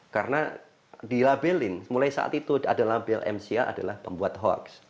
karena dilabelin mulai saat itu ada label mca adalah pembuat hoax